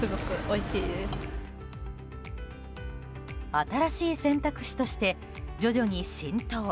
新しい選択肢として徐々に浸透。